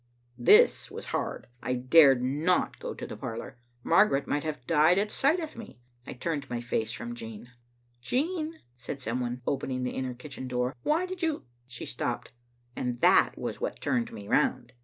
This was hard. I dared not go to the parlor. Margaret might have died at sight of me. I turned my face from Jean. "Jean," said some one, opening the inner kitchen door, "why did you ?" She stopped, and that was what turned me round.